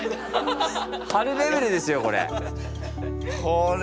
貼るレベルですよこれ。